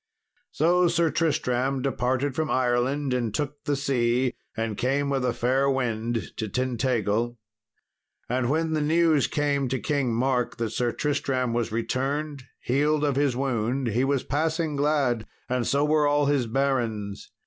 So Sir Tristram departed from Ireland and took the sea and came with a fair wind to Tintagil. And when the news came to King Mark that Sir Tristram was returned, healed of his wound, he was passing glad, and so were all his barons.